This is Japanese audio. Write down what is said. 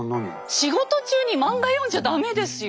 仕事中に漫画読んじゃ駄目ですよ。